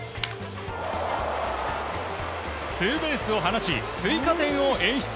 ツーベースを放ち追加点を演出。